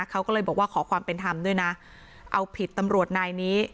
เขาก็เลยบอกว่าขอความเป็นธรรมด้วยนะเอาผิดตำรวจนายนี้